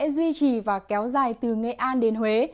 duy trì và kéo dài từ nghệ an đến huế